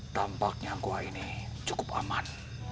tampaknya angkoa ini cukup aman